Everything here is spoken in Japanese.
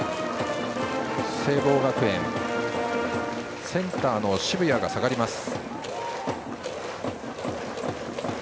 聖望学園、センターの渋谷が下がります。